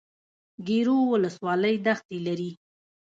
ګیرو ولسوالۍ دښتې لري؟